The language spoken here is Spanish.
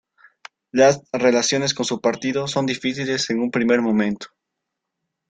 Las relaciones con su partido son difíciles en un primer momento.